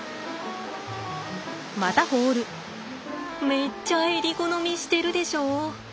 めっちゃえり好みしてるでしょ。